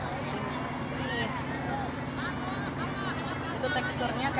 kue kera bolu gitu gak sih